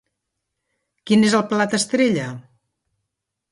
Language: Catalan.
Quin és el plat estrella?